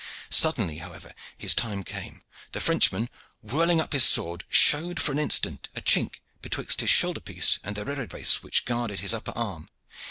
Suddenly, however, his time came. The Frenchman, whirling up his sword, showed for an instant a chink betwixt his shoulder piece and the rerebrace which guarded his upper arm.